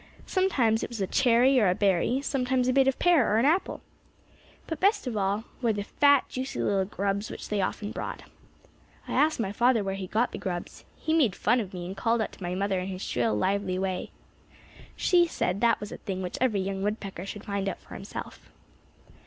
Sometimes it was a cherry or a berry, sometimes a bit of pear or apple. "But, best of all, were the fat, juicy little grubs which they often brought. "I asked my father where he got the grubs. He made fun of me and called out to my mother in his shrill, lively way. "She said that that was a thing which every young woodpecker should find out for himself.